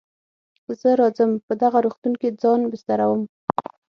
زه راځم په دغه روغتون کې ځان بستروم.